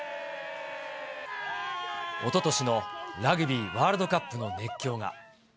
おととしのラグビーワールドカップの熱狂が。